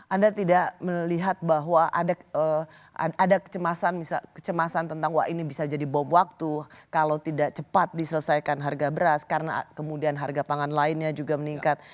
anda tidak melihat bahwa ada kecemasan tentang wah ini bisa jadi bom waktu kalau tidak cepat diselesaikan harga beras karena kemudian harga pangan lainnya juga meningkat